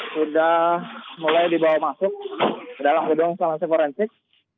sudah mulai dibawa masuk ke dalam gedung instansi forensik